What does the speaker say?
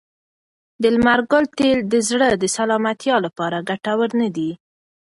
د لمر ګل تېل د زړه د سلامتیا لپاره ګټور نه دي.